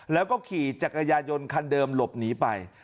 แล้วก็ขี่จักรยายนคันเดิมหลบหนีไป